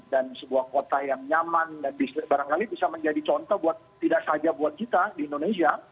dan sebuah kota yang nyaman dan barangkali bisa menjadi contoh tidak saja buat kita di indonesia